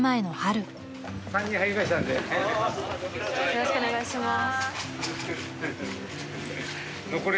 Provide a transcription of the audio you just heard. よろしくお願いします。